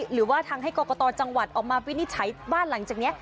หรือว่าทางให้กรกตจังหวัดออกมาวินิจฉัยบ้านหลังจากนี้